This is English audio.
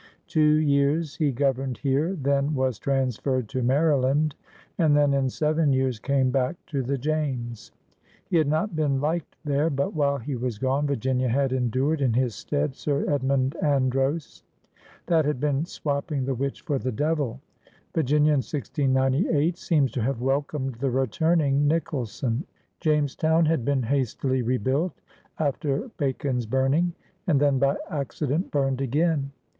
Two years he governed here, then was transferred to Maryland, and then in seven years came back to the James. He had not been liked there, but while he was gone Virginia had endured in his stead Sir Edmund Andros. That had been swapping the witch for the devil. Vir ginia in 1698 seems to have welcomed the returning Nicholson. Jamestown had been hastily rebuilt, after Ba con's burning, and then by accident burned again.